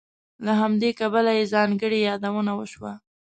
له همدې کبله یې ځانګړې یادونه وشوه.